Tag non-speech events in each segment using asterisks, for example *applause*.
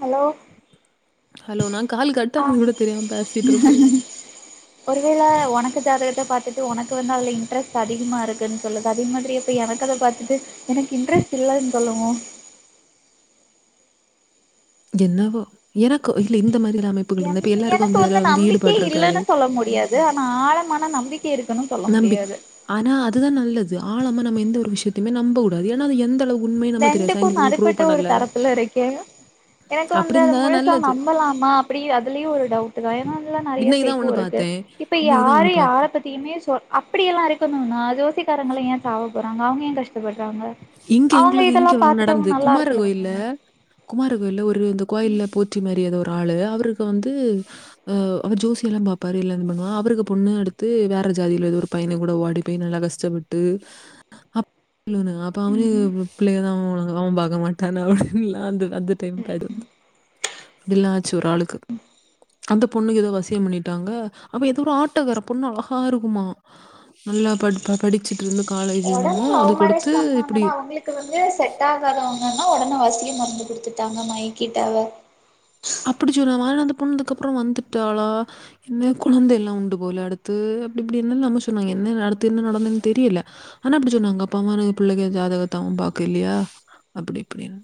Hello hello நா call ஆ கட்டானது கூட தெரியாம பேசிட்ருக்கே ஒருவேள உனக்க ஜாதகத்த பாத்துட்டு உனக்கு வந்து அதுல இன்ட்ரெஸ்ட் அதிகமா இருக்குனு சொல்லுது அதே மாதிரி இப்போ எனக்க அத பாத்துட்டு எனக்கு இன்ட்ரெஸ்ட் இல்லனு சொல்லுமோ என்னவோ எனக்கு இல்ல இந்த மாதிரி என் எனக்கு வந்து நம்பிக்கையே இருக்காது. இல்லன்னு சொல்ல முடியாது து ஆனா ஆழமான நம்பிக்கை இருக்குனும் சொல்ல நம்பி முடியாது ஆனா அதுதா நல்லது ஆழமா நம்ம எந்த ஒரு விஷயத்தையுமே நம்பக் கூடாது ஏனா அது எந்த அளவு உண்மைன்னு நமக்கு தெரியாது. ரெண்டுக்கும் சயின்டிஃபிக்கா ப்ரூவ் நடுப்பட்ட ஒரு பண்ணல. தரத்துல இருக்கேன் எனக்கு வந்து அப்படி அது இருந்தா தான் முழுசா நல்லது. நம்பலாமா அப்டி அதுலயு ஒரு டவுட்டு ட் ஏன்னா எல்லா நெறைய இன்னைக்கு தான் ஒண்ணு ஃபேக்கும் இருக்கு பார்த்தேன். இப்ப இன்னைக்கு தான் ஒண்ணு யாரு யார பார்த்தேன். பத் த்துலமே சோ அப்டிய எல்லா இருக்கணும்னா ஜோசிக்காரங்கள ஏன் சாவ போறாங்க அவங்க ஏன் கஷ்டப்படுறாங்க இங்க எங்களுக்கு இங்க ஒன்னு நடந்து குமார இருக்கலாமே கோயில குமார கோயில்ல ஒரு இந்த கோயில்ல போற்றி மாறி ஏதோ ஒரு ஆளு அவருக்கு வந்து அ அவர் ஜோசியம் எல்லா பாப்பாரு எல்லா இதும் பண்ணுவ அவருக்கு பொண்ணு எடுத்து வேற ஜாதில ஏதோ ஒரு பையன கூட ஓடிப் போய் நல்லா கஷ்டப்பட்டு *unintelligible* இப்ப அவனு பிள்ளைய தா அவ வளக் அவன் பாக்க மாட்டானு அப்டின்லா வந்து அந்த டைம் *unintelligible* அப்படில்லாம் ஆச்சு ஒரு ஆளுக்கு அந்த பொண்ணுக்கு ஏதோ வசியம் பண்ணிட்டாங்க அப்ப ஏதோ ஒரு ஆட்டக்கார பொண்ணு அழகா இருக்குமா நல்லா ப படிச்சுட்டு இருந்து காலேஜ் என்னமோ அதுக்கடுத்து இப்படி ஆனா அவங்களுக்கு வந்து செட் ஆகாதவங்கன்னா உடனே வசிய மருந்து கொடுத்துட்டாங்க மயக்கிட்டாவ அப்படி சொன்னாவ அந்த பொண்ணு அதுக்கு அப்பறம் வந்துட்டாளா என்ன கொழந்த எல்லாம் உண்டு போல அடுத்து அப்டி இப்டி என்ன நம்ம சொன்னாங்க என்ன அடுத்து என்ன நடந்ததுன்னு தெரியல ஆனா அப்படி சொன்னாங்க அப்பாவ பிள்ளைக ஜாதகத்த அவன் பாக்க இல்லையா அப்டி இப்டின்னு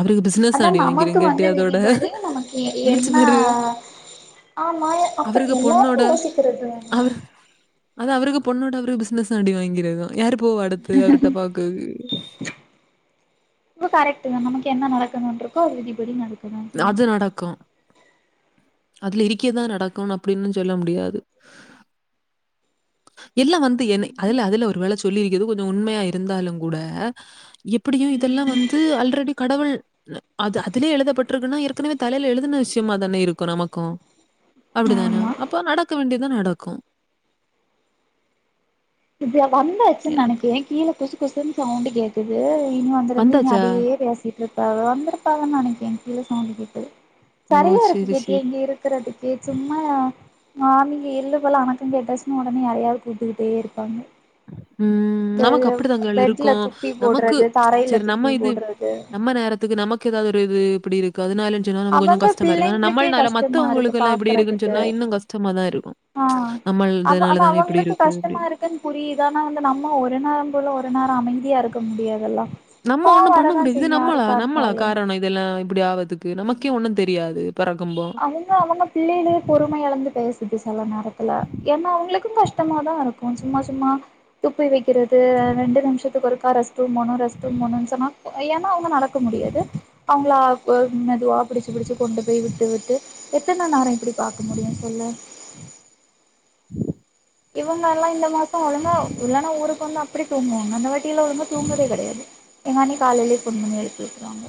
அவருக்கு பிஸ் அதான் நமக்கு வந்து விதிபடி நமக்கு நெனச்சு என்ன பாரு ஆமா அப் அவருக்கு பொண்ணோட எல்லாருக்கும் யோசிக்கிறது தானே அவரு அது அவருக்கு பொண்ணோட அவரு பிசினஸ்ம் அடி வாங்கிருக்கும் யாரு போவா அடுத்து அவர்கிட்ட பாக்குறதுக்கு கரக்ட் தான் நமக்கு என்ன நடக்கணும்ன்டிருக்கோ அது விதிபடி நடக்கும் அது நடக்கும் அதுல இரிக்கதான் நடக்கும்ணு அப்டின்னும் சொல்ல முடியாது எல்லாம் வந்து என்ன அதுல அதுல ஒரு வேல சொல்லிருக்கிறது கொஞ்சம் உண்மையா இருந்தாலும் கூட எப்படியும் இதெல்லாம் வந்து ஆல்ரெடி கடவுள் அது அதுலே எழுதப்பட்ருக்குன்னா ஏற்கனவே தலையில எழுதுன விஷயமா தான இருக்கும் நமக்கும் அப்படிதான ஆமா அப்போ நடக்க வேண்டிதா நடக்கும் இதுக வந்தாச்சு எனக்கு நெனைக்கேன் கீழ குசு குசுனு சவுண்ட கேக் க்குது இனிமே அங்கருந்து இனு வந்தாச்சா அதயே பேசி இப்ப வந்துருப்பாங்க நெனைக்கே கீழ சவுண் கேக்குது ஓ சரியா இருக்கு சரி கேட்டியே சரி இங்க இரு க்கறதுக்கு சும்மா மார்னிங் எள்ளு போல அணக்கம் கேட்டாச்சுன்னா ஒடனே யாரையாவது கூப்ட்டுக்கிட்டே இரு பாங்க ம் நமக்கு அப்படித்தங்கல் பெட்ல இருக்கும் துப்பி நமக்கு போடுறது தரையில சரி துப்பி நம்ம இது போடுறது நம்ம நேரத்துக்கு நமக்கு ஏதாவது ஒரு இது இப்படி இருக்குது அதுனால ஏன்னா நம்ம கொஞ்சம் அவங்க கஷ்டமா இருக்கு ஆ பிள்ளைங்களுக்கே நம்மள்னால கஷ்டமா இருக்கு மத்தவங்களுக்கு எல்லாம் எப்படி இருக்குன்னு பாக்குறதுக்கு சொன்னா இன்னும் கஷ்டமா தான் இருக்கும் ஆ அவ அது நம்மள்தனாலதானே இப்டி அவங்களுக்கு இருக்கு கஷ்டமா அப்டின் புரியுது ஆனா வந்து நம்ம ஒரு நேரம் போல ஒரு நேரம் அமைதியா இருக்க முடியாதுல்ல நம்ம கோவ வரதா செய்யு யாருக்கா இருந்தாலு துல்லா இப்டி ஆவதுக்கு நமக்கே ஒண்ணும் தெரியாது பெறக்கம்போ அவங்க அவங்க பிள்ளையிலயே பொறும எழந்துட்டு செல நேரத்துல ஏன்னா அவங்களுக்கும் கஷ்டமாதா இருக்கு சும்மா சும்மா துப்பி வெக்கிறது ரெண்டு நிம்ஷத்துக்கு ஒருக்கா ரெஸ்ட் ரூம் போணு டெஸ்ட் ரூம் போணு சொன்னா ஏனா அவங்க நடக்க முடியாது அவங்களா மெதுவா புடிச்சி புடிச்சி கொண்டு போய் வி ட்டுவிட்டு எத்தன நேரம் இப்டி பாக்க முடியு சொல்லு இவங்கல்லா இந்த மாசோ ஒழுங்கா இல்லன்னா ஊருக்கு வந்து அப்டி தூங்குவாங்க இந்த வாட் கீழ உழுந்து தூங்கவே கெடையாது எங்கண்ணி காலையிலயே ஃபோன் பண்ணி எழுப்பி வுட்றுவாங்க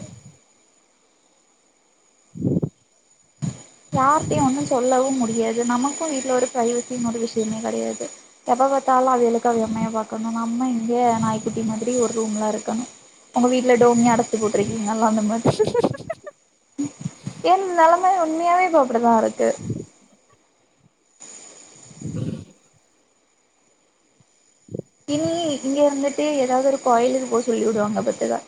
யார்ட்டயு ஒன்னு சொல்லவு முடியாது நமக்கும் வீட்டுல ஒரு பிரைவசியும் ஒரு விஷயமே கெடையாது எப்ப பாத்தாலு அவயளுக்கு அவ அம்மையா பாக்கணு நம்ம இங்கே நாயிக் குட்டி மாதிரி ஒரு ரூம்லா இருக்கணு உங்க வீட்டுல டோம்யே அடச் போட்டிருக்கீங்கல்லா அந்த மாதிரி என் நெலம் ம் உண்மையாவே இப்ப அப்டித்தா இருக்கு இனி இங்க வந்துட்டு ஏதாவது ஒரு கோயிலு போ சொல்லி விடுவாங்க பாத்துக்க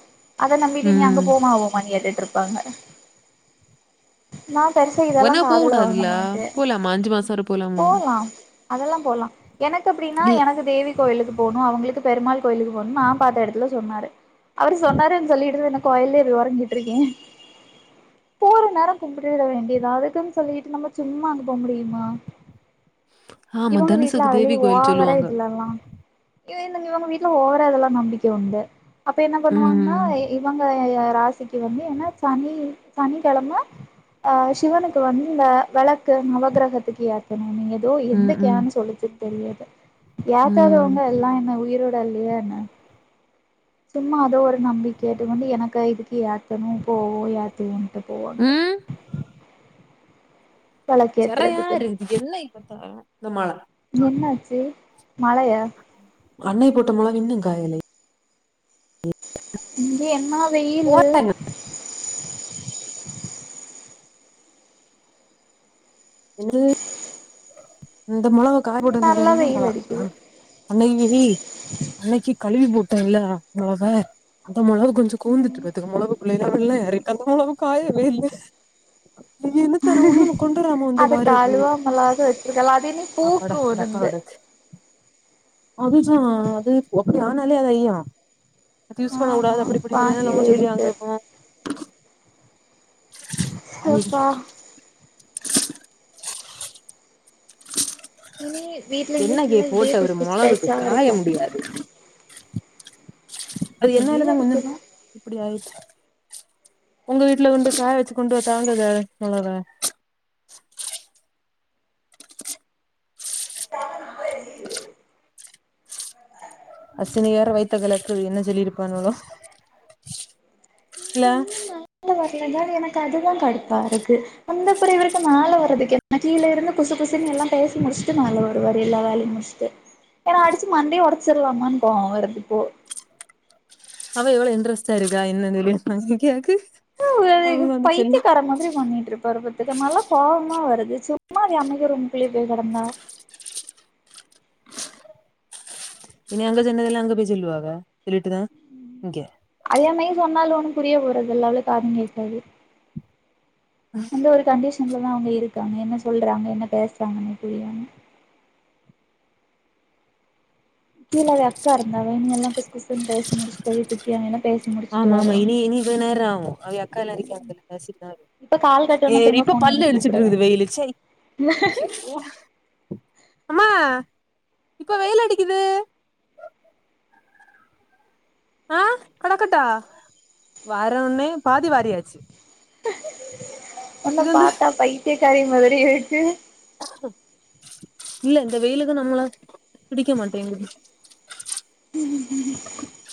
அத நம்பீட்டு நீ அங்க ம். போமாபோமான்னு கேட்டுட்டு இருப்பாங்க நா பெருசா இதல்லா உடனே காதுல வாங்க போகக்கூடாதுல்ல. மாட்ட போலாமா? மாசம் வரை போலாமா? போலாம் அதெல்லா போலா எனக்கு எப்டினா இல்ல. எனக்கு தேவி கோயிலுக்கு போணு அவங்களுக்கு பெருமாள் கோயிலுக்கு போனு நான் பாத்த எடத்துல சொன்னாரு அவரு சொன்னாருன்னு சொல்லிட்டுரு என்ன கோயில்லயே வொறங்கிட்டுருக்கே போர நேரம் கும்பிட்டுட வேண்டியதா அதுக்குன்னு சொல்லிட்டு நம்ம சும்மா அங்க போ முடியுமா ஆமா. இவங்க தனுஷுக்கு வீட்டுல தேவி அதுலயு கோயில் ஓவர சொல்லுவாங்க. இதுலல்லா இவந்த இவங்க வீட்டுல ஓவற இதல்லா நம்பிக்க உண்டு அப்ப என்ன பண்ணுவாங்கன்னா ம். இவங்க ராசிக்கு வந்து என்னா சனி சனி கெழம அஹ் சிவனுக்கு வந்து இந்த வெளக்கு நவகிரகத்துக்கு ஏத்தணு நீ ஏத் து ம், ம், எந்தக்கேன சொல்லுச்சுன் தெரியாது ம். ஏத்தாதவங்க எல்லா என்ன உயிரோ டல்லையா என்ன சும்மா அதோ ஒரு நம்பி கேட்டுவந்து எனக்கு இதுக்கு ஏத் தனு போவோ யாத்தயேண்ட்டு போவாங்க ம். சரியான வெளக்கேத்துறதுக்குன்னு *unintelligible* இந்த மழ என்னாச்சி மழையா அன்னைய போட்ட மொளகு இன்னு காயலை இங்க என்னா வெயிலு போறேன். இரு இந்த மொளக இங்க காயபோட்ட நேரம் நல்லா என்ன மழ வெயில் அடிக்குது அன்னைக்கி அன்னைக்கி கழுவி போட்டோல்ல மொளக அந்த மொளகு கொஞ்சோ கூந்துட்டு ம் பாத்துகோ மொளகு *unintelligible* காயவே இல்ல நீ என்னத்தானா ஒன்னுமே கொண்டு வராம வந்த மாரிக்கு மளாவது வச்சிருக்கலா அல்லாதியு நீ பூக்கு டப்பா உணந்து கெடக்கு அதுதா அது ஒப்டி ஆனாலே அது ஐய்யோ தி யூஸ் ஆமா பண்ணக்கூடாது அப்டி இப்டின்னில்ல வாங்கி நம்ம சொல்லியா வேஸ்ட்டு கேபோ ஷோ ப்பா இனி வீட்ல இனி எண்ணகியே ஃபுல்லா இதே போட்ட குசு ஒரு குசு மொளகுக்கு பேச்சாவா காய இருக்கு முடியாது அது என்னாலதா வெயில் கொஞ்சோ அடிக்குதா இப்டி ஆயிச்சு உங்க வீட்டுல கொண்டு காய வச்சு கொண்டு வ தாங்குத மொளவ *unintelligible* *inaudible* அசினியிர வயித்த கலக்குறது என்ன சொல்லியிருப்பானுங்களோ இல்ல மா வரலதா எனக்கு அதுதா கடுப்பா இருக்கு வந்தபுறோ இவருக்கு மேல வரதுக்க என்ன கீழ இருந்து குசு குசுனு எல்லா பேசி முடிச்சுட்டு மேல வருவாரு எல்ல வேலையு முடிச் சிட்டு ஏனா அடிச்சு மண்டே ஒடச்சிடலாமான்னு கோவோ வருறதுப்போ அவ எவ்ளோ இன்ட்ரெஸ்ட் ஆ இருக்கா என்னா ஜோலி இன்கி எக்கு வு இவருக்கு பைத்தியகாரே மாதிரி பண்ணிட்டு இருப்பாரு பாத் துக்கோ இதுமேல்லா கோபமா வருது சும்மா அது அமைதியா இரு உ பிள்ளை போய் கெடந்தா இனி அங்க சொன்னதெல்லா அங்க போய் சொல்லுவாக சொல்லிட்டுதா இங்கே ஐயம்மையனு சொன்னாலு ஒண்ணு புரிய போறது இல்ல அவளுக்கு காதும் கேட்காது ம் இந்த ஒரு கண்டிஷன்லதா அவுங்க இருக்காங்க என்ன சொல்றாங்க என்ன பேசுறாங்கன்னே புரியாம கீழ இவே அக்கா இருந்தாவே நீ எல்லா குசு குசு னு பேசி முடிச்சு தவி தப்பிங்க எனா ஆமா ஆமா இனி இனிக்கு நேராகு அவிக அக்கா ல்லா இருக்கியா பிள பேசிட்டுதா இரு இப்ப கால் ஏ கட்டோன டி திரும்ப இப்ப ஃபோன் பண்ணி பல்ல இழிச்சிட்டு கூப்பிடுவே இருக்குது வெயிலுச்சை குய்யோ அமா இப்ப வெயில் அடிக்குது ஆஹ் கடக்கட்டா வார உன்னே பாதி வாரியாச்சு ஒன்ன இது வந்து பாத்தா பைத்தயகாரி மாதிரி இருக்கு இல்ல இந்த வெயிலுக்கு நம்மள பிடிக்க மாட்டேகுது உஹம் உ உ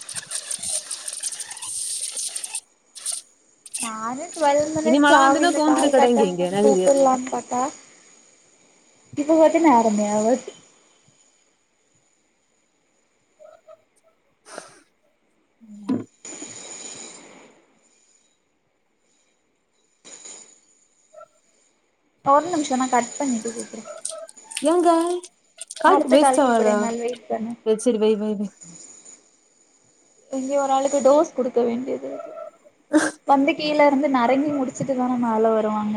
நானு டுவெல் இனி மினிட்ஸ் மழ ஆகு வந்துன்னா இந்த கோந்துரு கால் கெடங்க கட்டாகுனு இங்க கூப்பிடலான்னு பாத்தா இப்ப மட்டு நேரமே ஆவாது ம் ஒரு நிமிஷோ நா கட் பண்ணிட்டு கூப்டு ஏங்க கால் க்கு அடுத்த வேஸ்ட் ஆவாத கூப்பிடுங்கள் வெயிட் பண்ணு எ செரி வெய் வெய் வெய் இங்கய ஒரு ஆளுக்கு டோஸ் குடுக்க வேண்டியது இருக்கு வந்துட் கீழ இருந்து நரங்கி முடிச்சுட்டு தான மேல வருவாங்க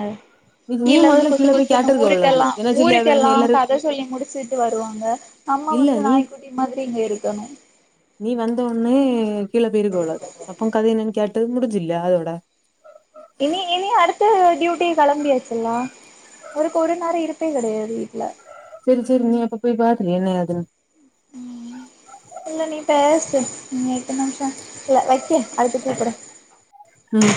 நீ கீழ இருந்து மொதல்ல குசு கீழ போய் குசுன்னு கேட்டிருக்க உள்ளது ஊருக்கெல்லா என்ன ஜில்லியா ஊருக்கெல்லா வேணு எல்லாரு கத சொல்லி முடிச்சுட்டு வருவாங்க நம்ம இல்ல வந்து நீ நாய்க்குட்டி மாதிரி இங்க இருக்கணு நீ வந்த உன்னே கீழ போயிருகோளது அப்போ கதை என்னன்னு கேட்டு முடிஞ்சில்லையா அதோட இனி இனி அடுத்து டியூட்டி கெளம்பியாச்சுல்லா ஒரு குறு நேர இருப்பே கெடையாது வீட்ல செரி செரி நீ அப்ப போய் பாத்திரு என்ன ஏது னு ம் இல்ல நீ பேசு நீ எட்டு நிமிஷம் இல்ல வைக்கே அடுத்துக்கு கூப்டு ம்